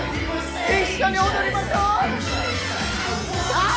一緒に踊りましょう！さあ！